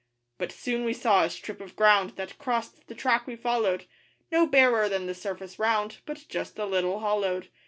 _' But soon we saw a strip of ground That crossed the track we followed No barer than the surface round, But just a little hollowed.